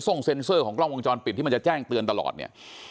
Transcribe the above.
เซ็นเซอร์ของกล้องวงจรปิดที่มันจะแจ้งเตือนตลอดเนี่ย